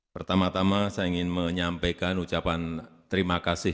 pertama tama saya ingin menyampaikan ucapan terima kasih